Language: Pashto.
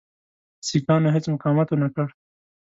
سیکهانو هیڅ مقاومت ونه کړ.